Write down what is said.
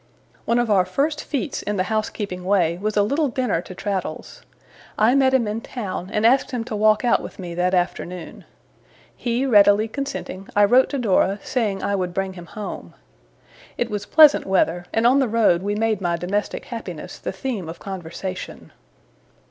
One of our first feats in the housekeeping way was a little dinner to Traddles. I met him in town, and asked him to walk out with me that afternoon. He readily consenting, I wrote to Dora, saying I would bring him home. It was pleasant weather, and on the road we made my domestic happiness the theme of conversation.